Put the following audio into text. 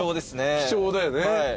貴重だよね。